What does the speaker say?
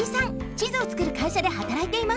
地図をつくる会社ではたらいています。